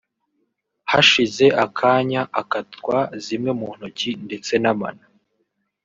hashize akanya akatwa zimwe mu ntoki ndetse n’amano